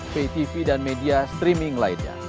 ptv dan media streaming lainnya